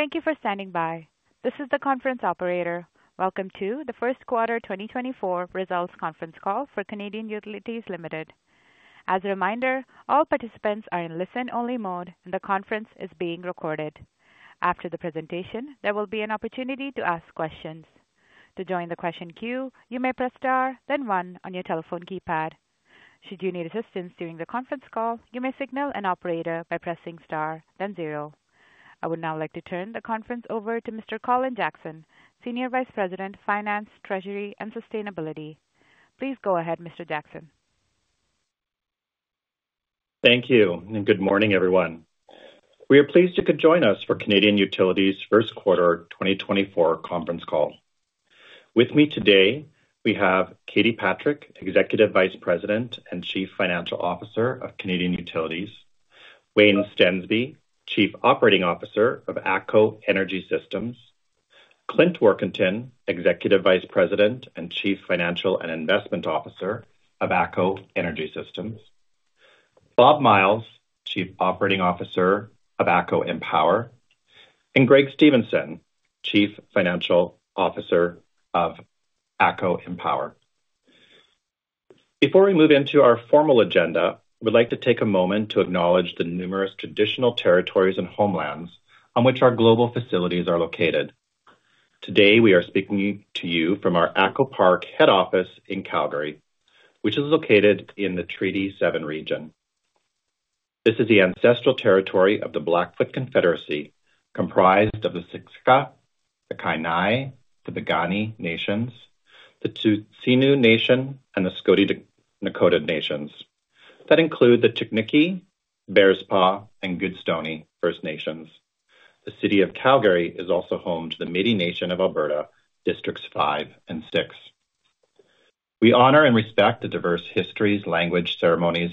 Thank you for standing by. This is the conference operator. Welcome to the first quarter 2024 results conference call for Canadian Utilities Limited. As a reminder, all participants are in listen-only mode and the conference is being recorded. After the presentation, there will be an opportunity to ask questions. To join the question queue, you may press star, then one, on your telephone keypad. Should you need assistance during the conference call, you may signal an operator by pressing star, then zero. I would now like to turn the conference over to Mr. Colin Jackson, Senior Vice President, Finance, Treasury, and Sustainability. Please go ahead, Mr. Jackson. Thank you, and good morning, everyone. We are pleased you could join us for Canadian Utilities' first quarter 2024 conference call. With me today, we have Katie Patrick, Executive Vice President and Chief Financial Officer of Canadian Utilities, Wayne Stensby, Chief Operating Officer of ATCO Energy Systems, Clint Warkentin, Executive Vice President and Chief Financial and Investment Officer of ATCO Energy Systems, Bob Myles, Chief Operating Officer of ATCO EnPower, and Greg Stevenson, Chief Financial Officer of ATCO EnPower. Before we move into our formal agenda, we'd like to take a moment to acknowledge the numerous traditional territories and homelands on which our global facilities are located. Today, we are speaking to you from our ATCO Park head office in Calgary, which is located in the Treaty 7 region. This is the ancestral territory of the Blackfoot Confederacy, comprised of the Siksika, the Kainai, the Piikani Nations, the Tsuut'ina Nation, and the Stoney Nakoda Nations. That includes the Tsuut'ina, Bearspaw, and Goodstoney First Nations. The city of Calgary is also home to the Métis Nation of Alberta, Districts 5 and 6. We honor and respect the diverse histories, language, ceremonies,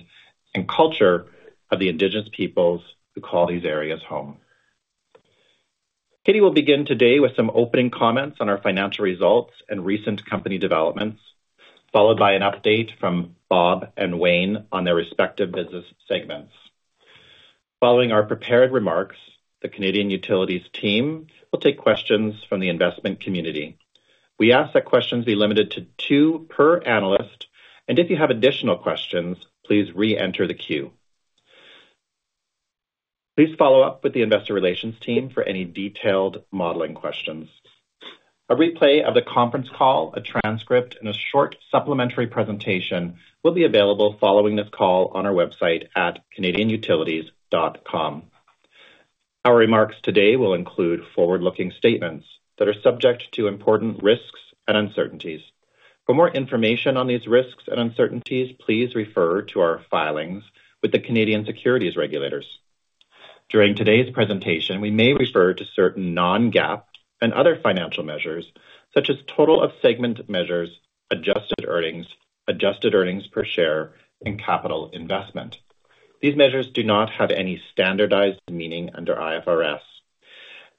and culture of the Indigenous peoples who call these areas home. Katie will begin today with some opening comments on our financial results and recent company developments, followed by an update from Bob and Wayne on their respective business segments. Following our prepared remarks, the Canadian Utilities team will take questions from the investment community. We ask that questions be limited to two per analyst, and if you have additional questions, please re-enter the queue. Please follow up with the investor relations team for any detailed modeling questions. A replay of the conference call, a transcript, and a short supplementary presentation will be available following this call on our website at canadianutilities.com. Our remarks today will include forward-looking statements that are subject to important risks and uncertainties. For more information on these risks and uncertainties, please refer to our filings with the Canadian securities regulators. During today's presentation, we may refer to certain non-GAAP and other financial measures such as total of segment measures, adjusted earnings, adjusted earnings per share, and capital investment. These measures do not have any standardized meaning under IFRS,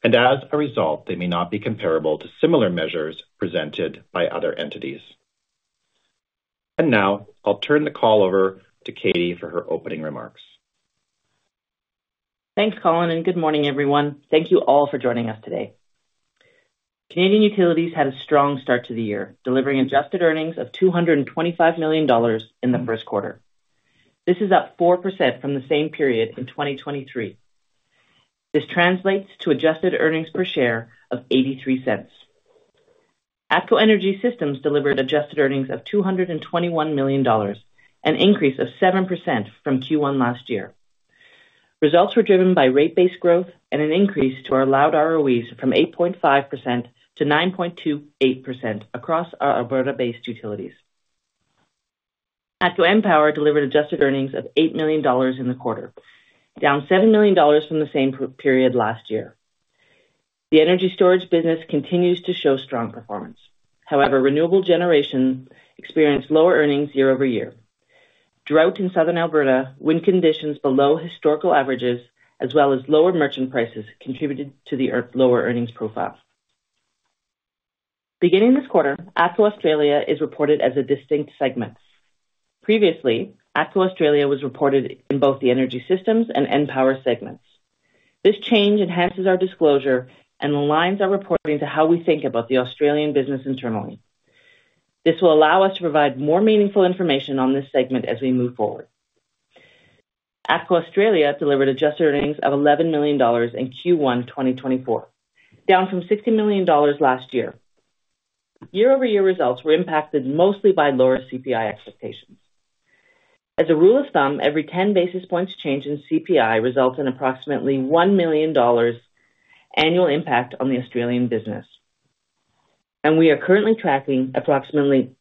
and as a result, they may not be comparable to similar measures presented by other entities. Now I'll turn the call over to Katie for her opening remarks. Thanks, Colin, and good morning, everyone. Thank you all for joining us today. Canadian Utilities had a strong start to the year, delivering adjusted earnings of 225 million dollars in the first quarter. This is up 4% from the same period in 2023. This translates to adjusted earnings per share of 0.83. ATCO Energy Systems delivered adjusted earnings of 221 million dollars, an increase of 7% from Q1 last year. Results were driven by rate-based growth and an increase to our allowed ROEs from 8.5% to 9.28% across our Alberta-based utilities. ATCO EnPower delivered adjusted earnings of 8 million dollars in the quarter, down 7 million dollars from the same period last year. The energy storage business continues to show strong performance. However, renewable generation experienced lower earnings year-over-year. Drought in southern Alberta, wind conditions below historical averages, as well as lower merchant prices contributed to the lower earnings profile. Beginning this quarter, ATCO Australia is reported as a distinct segment. Previously, ATCO Australia was reported in both the Energy Systems and EnPower segments. This change enhances our disclosure and aligns our reporting to how we think about the Australian business internally. This will allow us to provide more meaningful information on this segment as we move forward. ATCO Australia delivered adjusted earnings of 11 million dollars in Q1 2024, down from 60 million dollars last year. Year-over-year results were impacted mostly by lower CPI expectations. As a rule of thumb, every 10 basis points change in CPI results in approximately 1 million dollars annual impact on the Australian business, and we are currently tracking approximately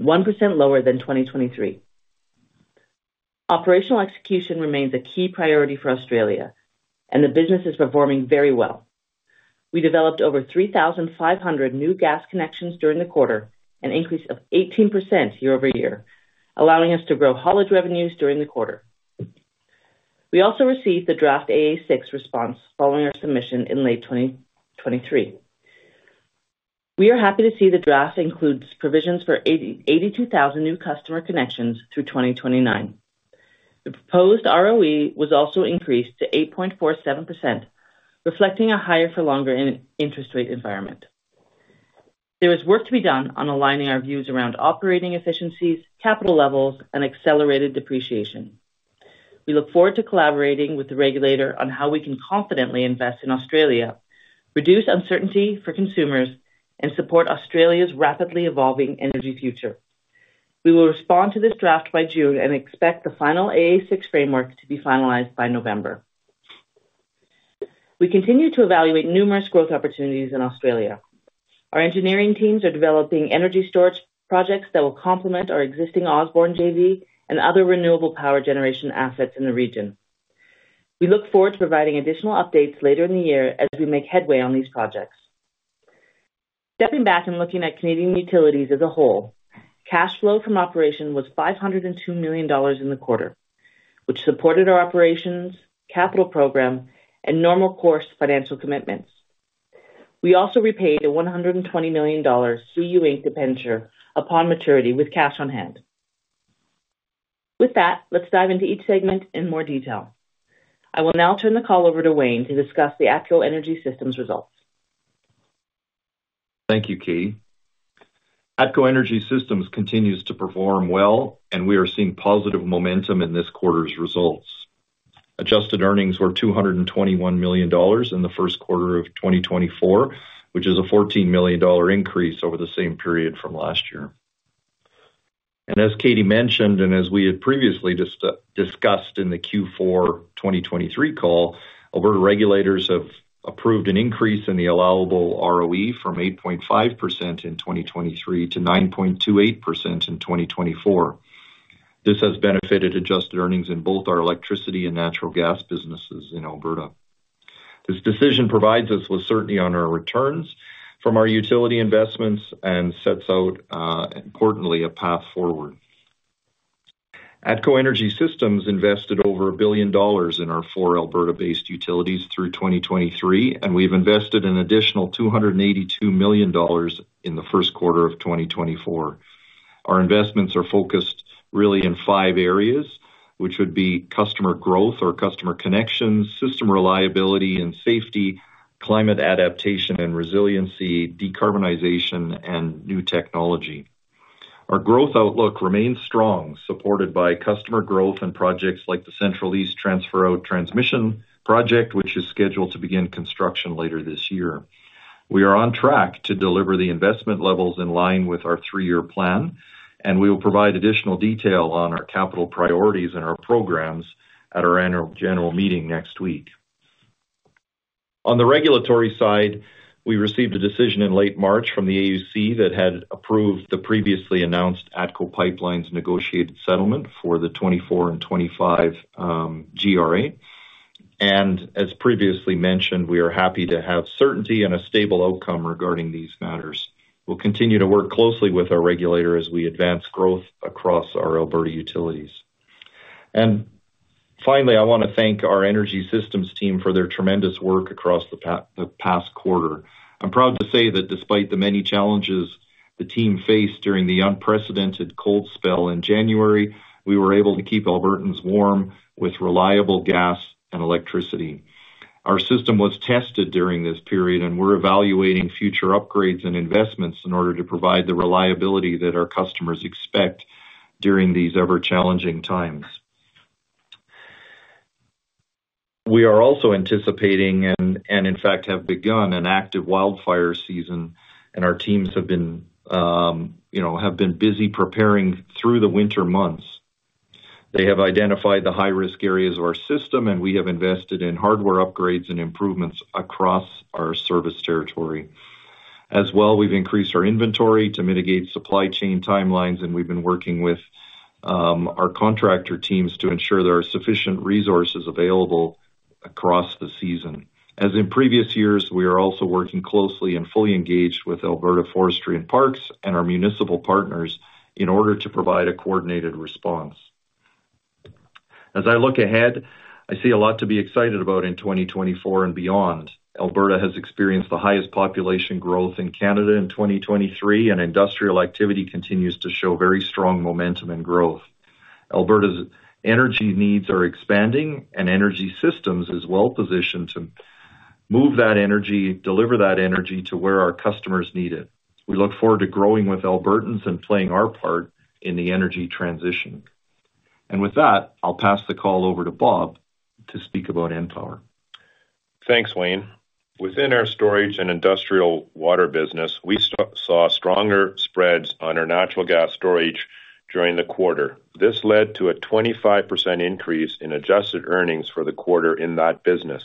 1% lower than 2023. Operational execution remains a key priority for Australia, and the business is performing very well. We developed over 3,500 new gas connections during the quarter, an increase of 18% year-over-year, allowing us to grow haulage revenues during the quarter. We also received the draft AA6 response following our submission in late 2023. We are happy to see the draft includes provisions for 82,000 new customer connections through 2029. The proposed ROE was also increased to 8.47%, reflecting a higher-for-longer interest rate environment. There is work to be done on aligning our views around operating efficiencies, capital levels, and accelerated depreciation. We look forward to collaborating with the regulator on how we can confidently invest in Australia, reduce uncertainty for consumers, and support Australia's rapidly evolving energy future. We will respond to this draft by June and expect the final AA6 framework to be finalized by November. We continue to evaluate numerous growth opportunities in Australia. Our engineering teams are developing energy storage projects that will complement our existing Osborne JV and other renewable power generation assets in the region. We look forward to providing additional updates later in the year as we make headway on these projects. Stepping back and looking at Canadian Utilities as a whole, cash flow from operations was 502 million dollars in the quarter, which supported our operations, capital program, and normal course financial commitments. We also repaid a 120 million dollar CU Inc. indenture upon maturity with cash on hand. With that, let's dive into each segment in more detail. I will now turn the call over to Wayne to discuss the ATCO Energy Systems results. Thank you, Katie. ATCO Energy Systems continues to perform well, and we are seeing positive momentum in this quarter's results. Adjusted earnings were 221 million dollars in the first quarter of 2024, which is a 14 million dollar increase over the same period from last year. As Katie mentioned, and as we had previously discussed in the Q4 2023 call, Alberta regulators have approved an increase in the allowable ROE from 8.5% in 2023 to 9.28% in 2024. This has benefited adjusted earnings in both our electricity and natural gas businesses in Alberta. This decision provides us with certainty on our returns from our utility investments and sets out, importantly, a path forward. ATCO Energy Systems invested over 1 billion dollars in our four Alberta-based utilities through 2023, and we've invested an additional 282 million dollars in the first quarter of 2024. Our investments are focused really in five areas, which would be customer growth or customer connections, system reliability and safety, climate adaptation and resiliency, decarbonization, and new technology. Our growth outlook remains strong, supported by customer growth and projects like the Central East Transfer Out Transmission project, which is scheduled to begin construction later this year. We are on track to deliver the investment levels in line with our three-year plan, and we will provide additional detail on our capital priorities and our programs at our annual general meeting next week. On the regulatory side, we received a decision in late March from the AUC that had approved the previously announced ATCO Pipelines Negotiated Settlement for the 2024 and 2025 GRA. As previously mentioned, we are happy to have certainty and a stable outcome regarding these matters. We'll continue to work closely with our regulator as we advance growth across our Alberta utilities. Finally, I want to thank our Energy Systems team for their tremendous work across the past quarter. I'm proud to say that despite the many challenges the team faced during the unprecedented cold spell in January, we were able to keep Albertans warm with reliable gas and electricity. Our system was tested during this period, and we're evaluating future upgrades and investments in order to provide the reliability that our customers expect during these ever-challenging times. We are also anticipating and, in fact, have begun an active wildfire season, and our teams have been busy preparing through the winter months. They have identified the high-risk areas of our system, and we have invested in hardware upgrades and improvements across our service territory. As well, we've increased our inventory to mitigate supply chain timelines, and we've been working with our contractor teams to ensure there are sufficient resources available across the season. As in previous years, we are also working closely and fully engaged with Alberta Forestry and Parks and our municipal partners in order to provide a coordinated response. As I look ahead, I see a lot to be excited about in 2024 and beyond. Alberta has experienced the highest population growth in Canada in 2023, and industrial activity continues to show very strong momentum and growth. Alberta's energy needs are expanding, and Energy Systems is well positioned to move that energy, deliver that energy to where our customers need it. We look forward to growing with Albertans and playing our part in the energy transition. And with that, I'll pass the call over to Bob to speak about EnPower. Thanks, Wayne. Within our storage and industrial water business, we saw stronger spreads on our natural gas storage during the quarter. This led to a 25% increase in adjusted earnings for the quarter in that business.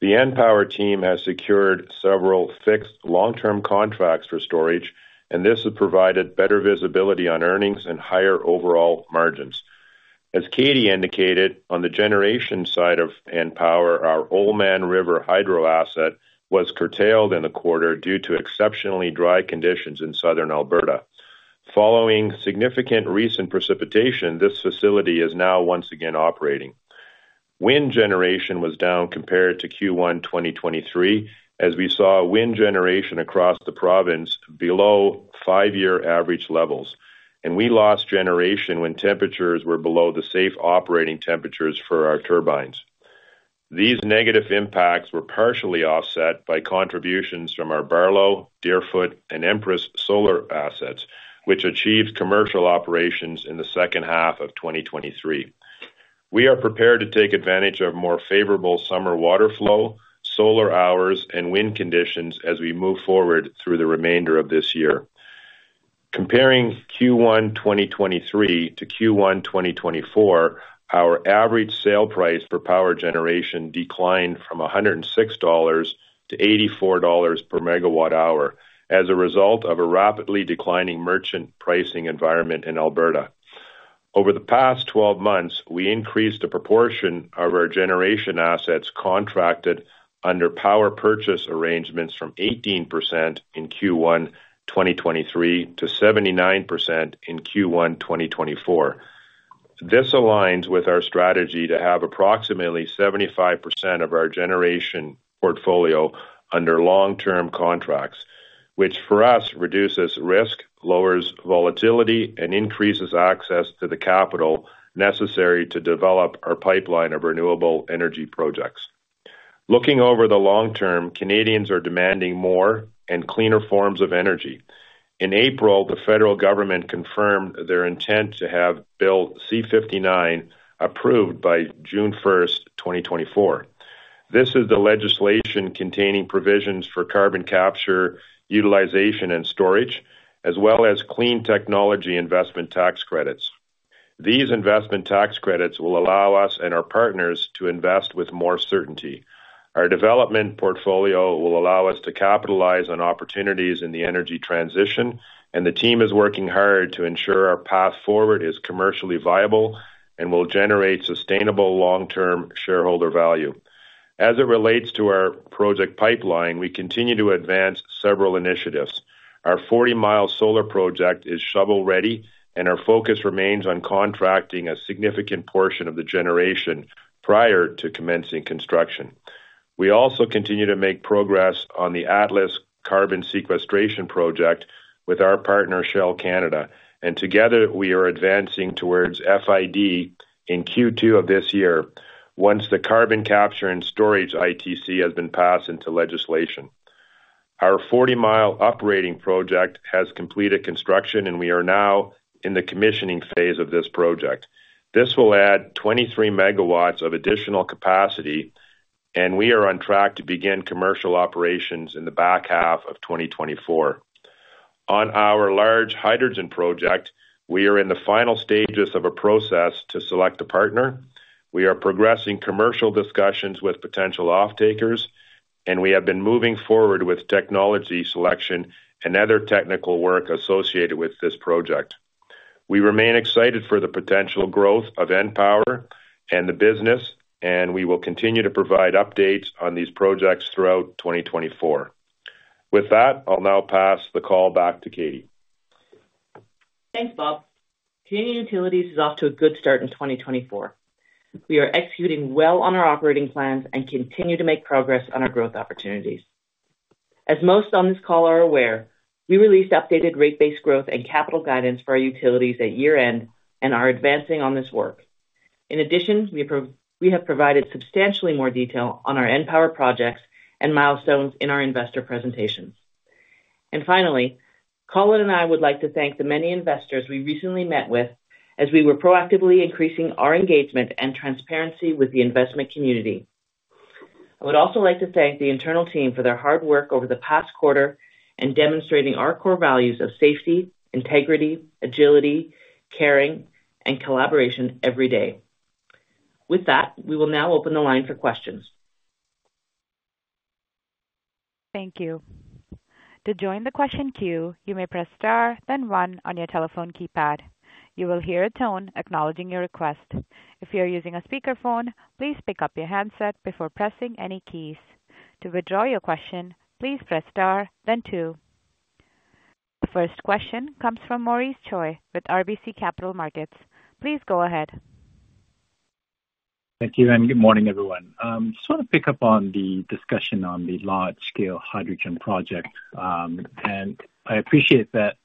The EnPower team has secured several fixed long-term contracts for storage, and this has provided better visibility on earnings and higher overall margins. As Katie indicated, on the generation side of EnPower, our Oldman River hydro asset was curtailed in the quarter due to exceptionally dry conditions in southern Alberta. Following significant recent precipitation, this facility is now once again operating. Wind generation was down compared to Q1 2023, as we saw wind generation across the province below five-year average levels, and we lost generation when temperatures were below the safe operating temperatures for our turbines. These negative impacts were partially offset by contributions from our Barlow Solar, Deerfoot Solar, and Empress Solar assets, which achieved commercial operations in the second half of 2023. We are prepared to take advantage of more favorable summer water flow, solar hours, and wind conditions as we move forward through the remainder of this year. Comparing Q1 2023 to Q1 2024, our average sale price for power generation declined from 106 dollars to 84 dollars per megawatt-hour as a result of a rapidly declining merchant pricing environment in Alberta. Over the past 12 months, we increased the proportion of our generation assets contracted under power purchase arrangements from 18% in Q1 2023 to 79% in Q1 2024. This aligns with our strategy to have approximately 75% of our generation portfolio under long-term contracts, which for us reduces risk, lowers volatility, and increases access to the capital necessary to develop our pipeline of renewable energy projects. Looking over the long term, Canadians are demanding more and cleaner forms of energy. In April, the federal government confirmed their intent to have Bill C-59 approved by June 1, 2024. This is the legislation containing provisions for carbon capture, utilization, and storage, as well as clean technology investment tax credits. These investment tax credits will allow us and our partners to invest with more certainty. Our development portfolio will allow us to capitalize on opportunities in the energy transition, and the team is working hard to ensure our path forward is commercially viable and will generate sustainable long-term shareholder value. As it relates to our project pipeline, we continue to advance several initiatives. Our 40 Mile Solar Project is shovel-ready, and our focus remains on contracting a significant portion of the generation prior to commencing construction. We also continue to make progress on the Atlas Carbon Sequestration Project with our partner Shell Canada, and together we are advancing towards FID in Q2 of this year once the carbon capture and storage ITC has been passed into legislation. Our 40 Mile Uprating Project has completed construction, and we are now in the commissioning phase of this project. This will add 23 MW of additional capacity, and we are on track to begin commercial operations in the back half of 2024. On our large hydrogen project, we are in the final stages of a process to select a partner. We are progressing commercial discussions with potential offtakers, and we have been moving forward with technology selection and other technical work associated with this project. We remain excited for the potential growth of EnPower and the business, and we will continue to provide updates on these projects throughout 2024. With that, I'll now pass the call back to Katie. Thanks, Bob. Canadian Utilities is off to a good start in 2024. We are executing well on our operating plans and continue to make progress on our growth opportunities. As most on this call are aware, we released updated rate-based growth and capital guidance for our utilities at year-end and are advancing on this work. In addition, we have provided substantially more detail on our EnPower projects and milestones in our investor presentations. Finally, Colin and I would like to thank the many investors we recently met with as we were proactively increasing our engagement and transparency with the investment community. I would also like to thank the internal team for their hard work over the past quarter and demonstrating our core values of safety, integrity, agility, caring, and collaboration every day. With that, we will now open the line for questions. Thank you. To join the question queue, you may press star, then one on your telephone keypad. You will hear a tone acknowledging your request. If you are using a speakerphone, please pick up your handset before pressing any keys. To withdraw your question, please press star, then two. The first question comes from Maurice Choy with RBC Capital Markets. Please go ahead. Thank you, and good morning, everyone. I just want to pick up on the discussion on the large-scale hydrogen project, and I appreciate that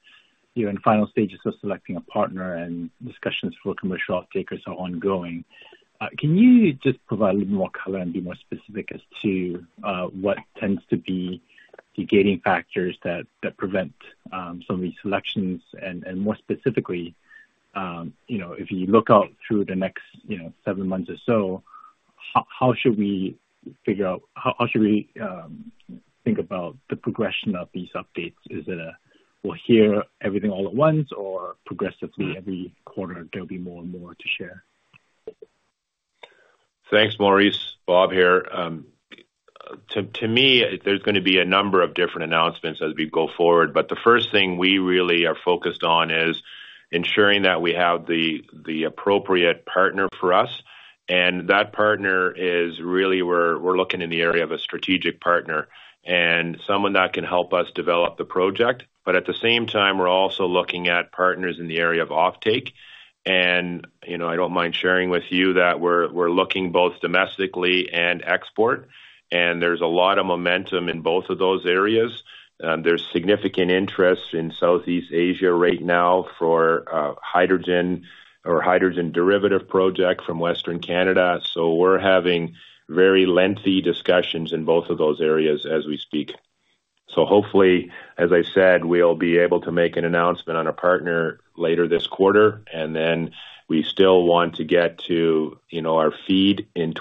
you're in final stages of selecting a partner and discussions for commercial offtakers are ongoing. Can you just provide a little more color and be more specific as to what tends to be the gating factors that prevent some of these selections? And more specifically, if you look out through the next seven months or so, how should we figure out how should we think about the progression of these updates? Is it a, "We'll hear everything all at once," or progressively every quarter there'll be more and more to share? Thanks, Maurice. Bob here. To me, there's going to be a number of different announcements as we go forward, but the first thing we really are focused on is ensuring that we have the appropriate partner for us. And that partner is really we're looking in the area of a strategic partner and someone that can help us develop the project. But at the same time, we're also looking at partners in the area of offtake. And I don't mind sharing with you that we're looking both domestically and export, and there's a lot of momentum in both of those areas. There's significant interest in Southeast Asia right now for hydrogen or hydrogen derivative projects from Western Canada. So we're having very lengthy discussions in both of those areas as we speak. Hopefully, as I said, we'll be able to make an announcement on a partner later this quarter, and then we still want to get to our FID in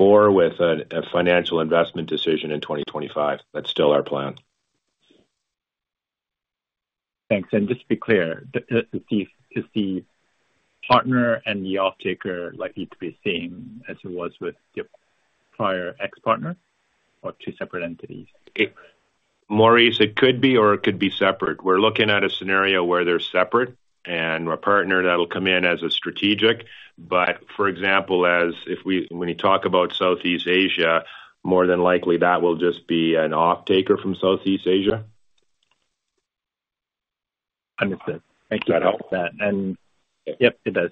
2024 with a final investment decision in 2025. That's still our plan. Thanks. Just to be clear, is the partner and the offtaker likely to be the same as it was with your prior ex-partner or two separate entities? Maurice, it could be, or it could be separate. We're looking at a scenario where they're separate and a partner that'll come in as a strategic. But for example, when you talk about Southeast Asia, more than likely that will just be an offtaker from Southeast Asia. Understood. Thank you. Does that help? And yep, it does.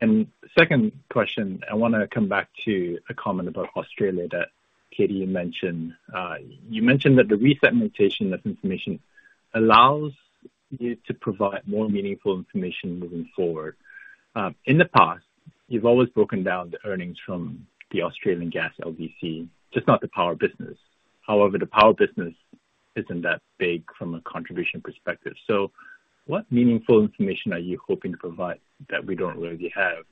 And second question, I want to come back to a comment about Australia that Katie mentioned. You mentioned that the resegmentation of information allows you to provide more meaningful information moving forward. In the past, you've always broken down the earnings from the Australian Gas LDC, just not the power business. However, the power business isn't that big from a contribution perspective. So what meaningful information are you hoping to provide that we don't really have?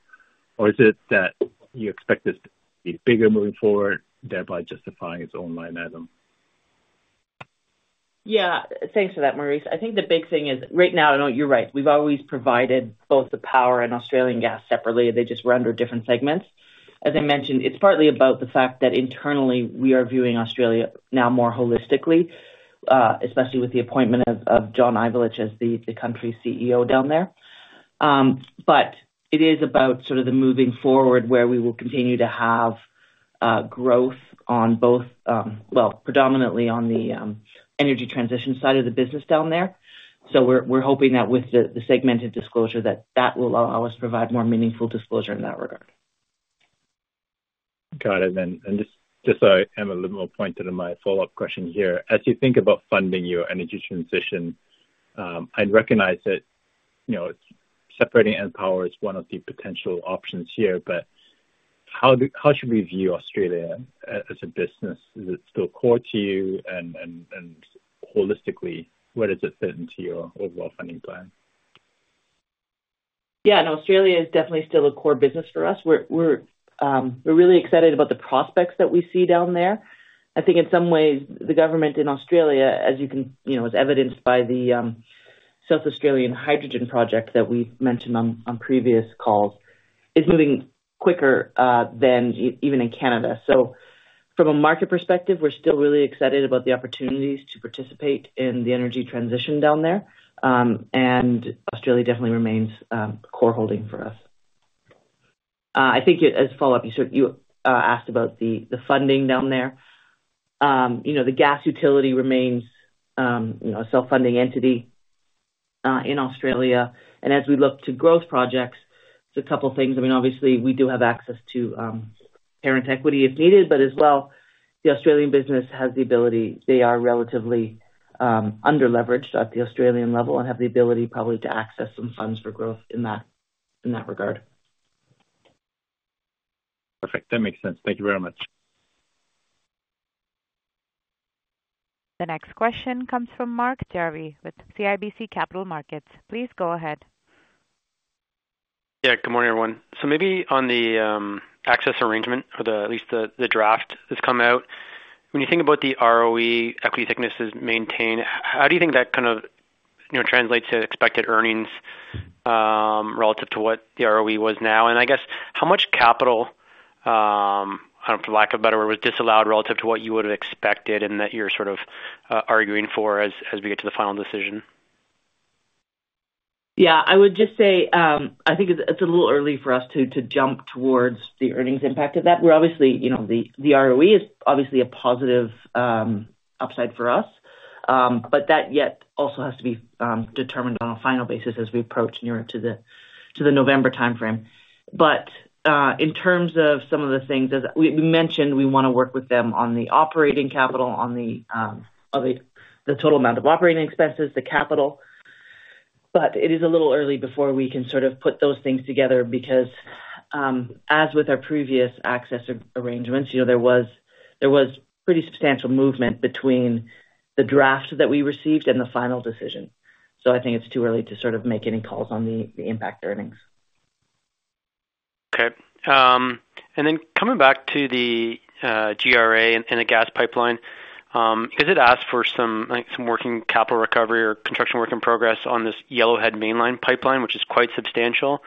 Or is it that you expect this to be bigger moving forward, thereby justifying its own line item? Yeah. Thanks for that, Maurice. I think the big thing is right now, I know you're right. We've always provided both the power and Australian Gas separately. They just run through different segments. As I mentioned, it's partly about the fact that internally, we are viewing Australia now more holistically, especially with the appointment of John Ivulich as the country's CEO down there. But it is about sort of the moving forward where we will continue to have growth on both well, predominantly on the energy transition side of the business down there. So we're hoping that with the segmented disclosure, that that will allow us to provide more meaningful disclosure in that regard. Got it. And just so I am a little more pointed on my follow-up question here, as you think about funding your energy transition, I recognize that separating EnPower is one of the potential options here, but how should we view Australia as a business? Is it still core to you? And holistically, where does it fit into your overall funding plan? Yeah. No, Australia is definitely still a core business for us. We're really excited about the prospects that we see down there. I think in some ways, the government in Australia, as you can, as evidenced by the South Australian hydrogen project that we've mentioned on previous calls, is moving quicker than even in Canada. So from a market perspective, we're still really excited about the opportunities to participate in the energy transition down there, and Australia definitely remains core holding for us. I think as a follow-up, you asked about the funding down there. The gas utility remains a self-funding entity in Australia. And as we look to growth projects, there's a couple of things. I mean, obviously, we do have access to parent equity if needed, but as well, the Australian business has the ability. They are relatively underleveraged at the Australian level and have the ability probably to access some funds for growth in that regard. Perfect. That makes sense. Thank you very much. The next question comes from Mark Jarvi with CIBC Capital Markets. Please go ahead. Yeah. Good morning, everyone. So maybe on the access arrangement or at least the draft that's come out, when you think about the ROE, equity thickness is maintained, how do you think that kind of translates to expected earnings relative to what the ROE was now? And I guess, how much capital, for lack of a better word, was disallowed relative to what you would have expected and that you're sort of arguing for as we get to the final decision? Yeah. I would just say I think it's a little early for us to jump towards the earnings impact of that. The ROE is obviously a positive upside for us, but that yet also has to be determined on a final basis as we approach nearer to the November timeframe. But in terms of some of the things as we mentioned, we want to work with them on the operating capital, on the total amount of operating expenses, the capital. But it is a little early before we can sort of put those things together because as with our previous access arrangements, there was pretty substantial movement between the draft that we received and the final decision. So I think it's too early to sort of make any calls on the impact earnings. Okay. And then coming back to the GRA and the gas pipeline, because it asked for some working capital recovery or construction work in progress on this Yellowhead Mainline pipeline, which is quite substantial,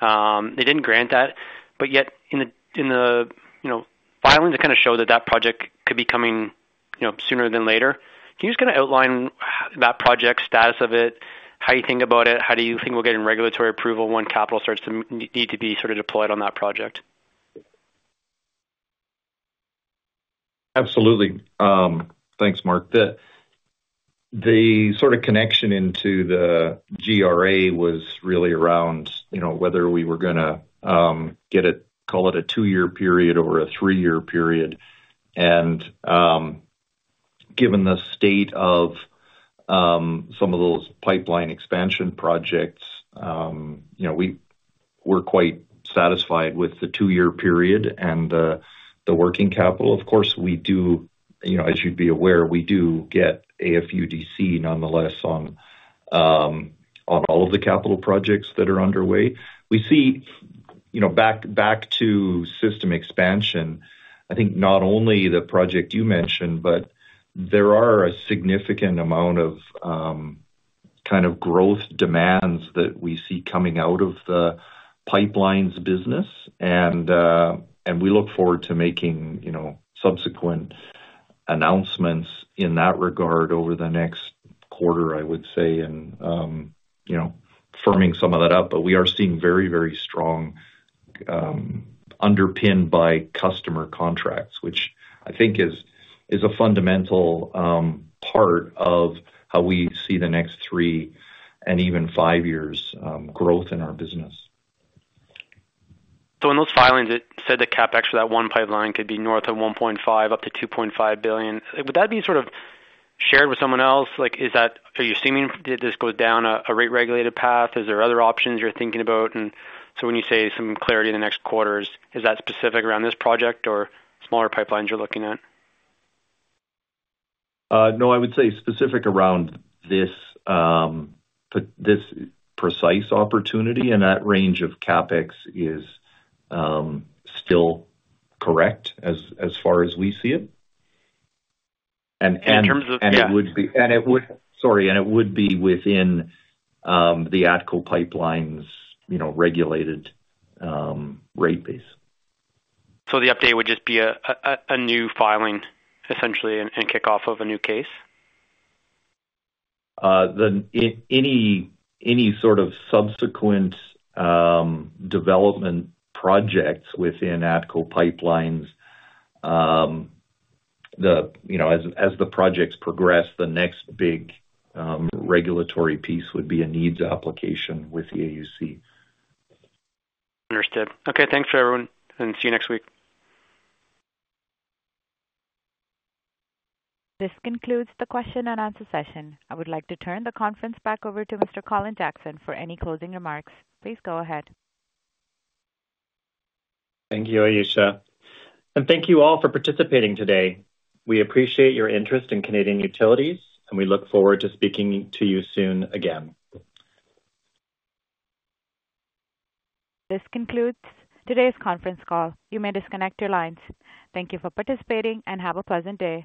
they didn't grant that. But yet in the filings, it kind of showed that that project could be coming sooner than later. Can you just kind of outline that project status of it, how you think about it, how do you think we'll get in regulatory approval when capital starts to need to be sort of deployed on that project? Absolutely. Thanks, Mark. The sort of connection into the GRA was really around whether we were going to get it, call it, a 2-year period or a 3-year period. Given the state of some of those pipeline expansion projects, we're quite satisfied with the 2-year period and the working capital. Of course, as you'd be aware, we do get AFUDC nonetheless on all of the capital projects that are underway. We see, back to system expansion, I think not only the project you mentioned, but there are a significant amount of kind of growth demands that we see coming out of the pipelines business. And we look forward to making subsequent announcements in that regard over the next quarter, I would say, and firming some of that up. But we are seeing very, very strong underpin by customer contracts, which I think is a fundamental part of how we see the next 3 and even 5 years growth in our business. So in those filings, it said the CapEx for that one pipeline could be north of 1.5 billion up to 2.5 billion. Would that be sort of shared with someone else? Are you assuming that this goes down a rate-regulated path? Is there other options you're thinking about? And so when you say some clarity in the next quarters, is that specific around this project or smaller pipelines you're looking at? No, I would say specific around this precise opportunity. And that range of CapEx is still correct as far as we see it. And it would be. In terms of, yeah. And it would be within the ATCO Pipelines' regulated rate base. So the update would just be a new filing, essentially, and kick-off of a new case? Any sort of subsequent development projects within ATCO Pipelines, as the projects progress, the next big regulatory piece would be a Needs Application with the AUC. Understood. Okay. Thanks for everyone, and see you next week. This concludes the question-and-answer session. I would like to turn the conference back over to Mr. Colin Jackson for any closing remarks. Please go ahead. Thank you, Ayesha. Thank you all for participating today. We appreciate your interest in Canadian Utilities, and we look forward to speaking to you soon again. This concludes today's conference call. You may disconnect your lines. Thank you for participating, and have a pleasant day.